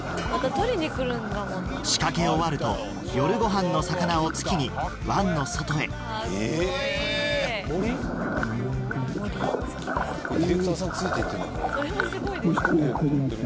仕掛け終わると夜ごはんの魚を突きに湾の外へカッコいい。